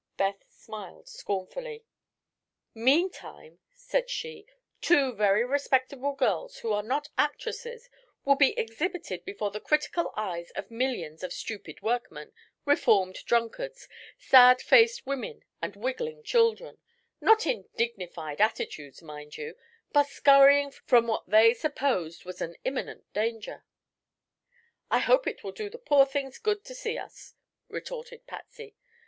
Beth smiled scornfully. "Meantime," said she, "two very respectable girls, who are not actresses, will be exhibited before the critical eyes of millions of stupid workmen, reformed drunkards, sad faced women and wiggling children not in dignified attitudes, mind you, but scurrying from what they supposed was an imminent danger." "I hope it will do the poor things good to see us," retorted Patsy.